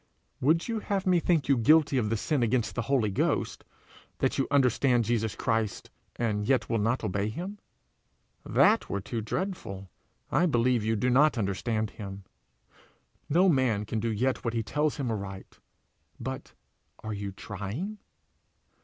Would you have me think you guilty of the sin against the Holy Ghost that you understand Jesus Christ and yet will not obey him? That were too dreadful. I believe you do not understand him. No man can do yet what he tells him aright but are you trying?